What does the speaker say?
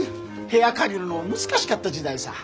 部屋借りるのも難しかった時代さぁ。